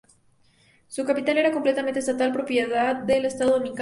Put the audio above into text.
Su capital era completamente estatal, propiedad del Estado Dominicano.